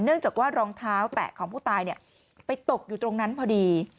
เนื่องจากว่ารองเท้าแตะของผู้ตายไปตกอยู่ตรงนั้นพอดี